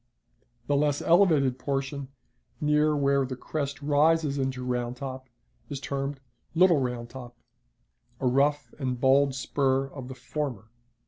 The less elevated portion, near where the crest rises into Round Top, is termed "Little Round Top," a rough and bold spur of the former.